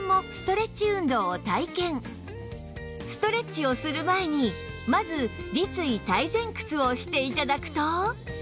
ストレッチをする前にまず立位体前屈をして頂くと